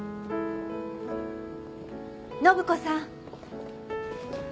信子さん！